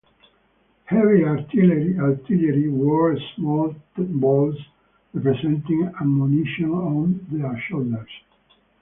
Heavy artillery wore small balls representing ammunition on their shoulders.